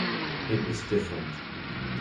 It was different.